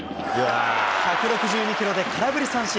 １６２キロで空振り三振。